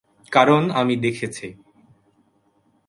কারণ আমি দেখেছি।